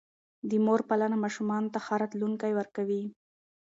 د مور پالنه ماشومانو ته ښه راتلونکی ورکوي.